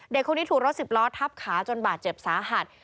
เด็กคนนี้ถูกรถสิบล้อทับขาจนบาดเจ็บสาหัส